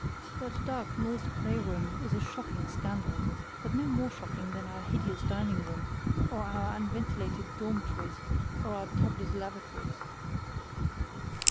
That dark north playroom is a shocking scandal, but no more shocking than our hideous dining room or our unventilated dormitories or our tubless lavatories.